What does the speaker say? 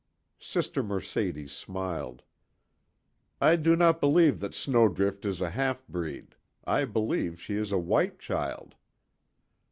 Sister Mercedes smiled: "I do not believe that Snowdrift is a half breed. I believe she is a white child."